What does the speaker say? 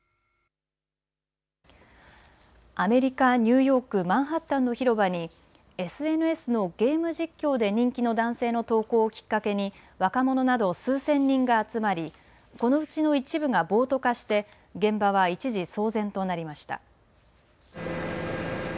アメリカ・ニューヨーク、マンハッタンの広場にＳＮＳのゲーム実況で人気の男性の投稿をきっかけに若者など数千人が集まりこのうちの一部が暴徒化して現場は一時、騒然となりました。